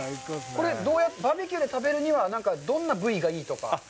これはバーベキューで食べるにはどんな部位がいいとか。